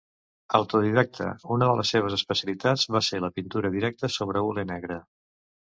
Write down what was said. Autodidacta, una de les seves especialitats va ser la pintura directa sobre hule negre.